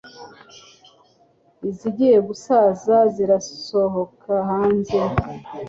izigiye gusaza zirasohoka hanze